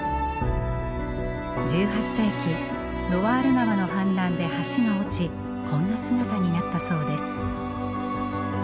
１８世紀ロワール川の氾濫で橋が落ちこんな姿になったそうです。